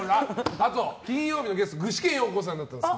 あと、金曜日のゲストが具志堅用高さんだったんです。